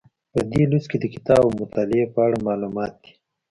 په دې لوست کې د کتاب او مطالعې په اړه معلومات دي.